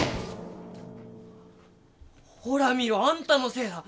ほら見ろあんたのせいだ！